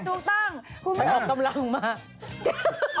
ถูกต้องคุณพี่จะออกกำลังมา